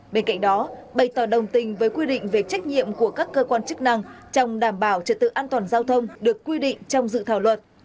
bên cạnh đó bày tỏ đồng tình với quy định về trách nhiệm của các cơ quan chức năng trong đảm bảo trật tự an toàn giao thông được quy định trong dự thảo luật